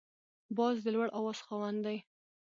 باز د لوړ اواز خاوند دی